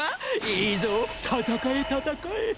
いいぞ戦え戦え！